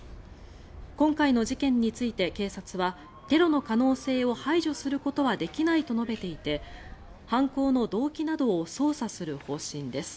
今回の事件について警察はテロの可能性を排除することはできないと述べていて犯行の動機などを捜査する方針です。